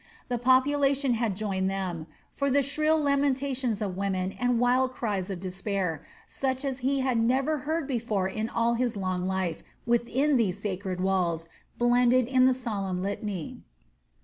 The population had joined them, for the shrill lamentations of women and wild cries of despair, such as he had never heard before in all his long life within these sacred walls, blended in the solemn litany.